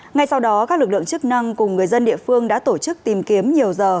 ngay sau đó các lực lượng chức năng cùng người dân địa phương đã tổ chức tìm kiếm nhiều giờ